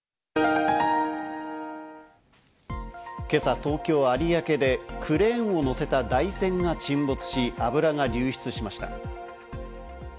今朝、東京・有明でクレーンを載せた台船が沈没し、油が流出しました。